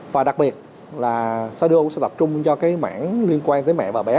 và đặc biệt là sadu sẽ tập trung cho cái mảng liên quan tới mẹ và bé